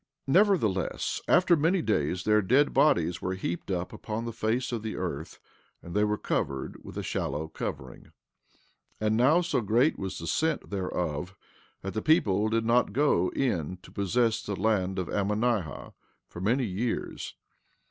16:11 Nevertheless, after many days their dead bodies were heaped up upon the face of the earth, and they were covered with a shallow covering. And now so great was the scent thereof that the people did not go in to possess the land of Ammonihah for many years.